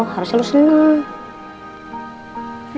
harusnya lo seneng